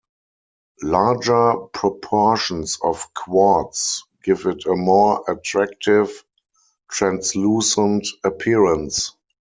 Larger proportions of quartz give it a more attractive, translucent appearance.